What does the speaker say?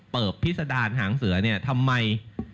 เปิบพิสดารหางเสือนี่ทำไม